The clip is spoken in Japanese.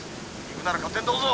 行くなら勝手にどうぞ！」。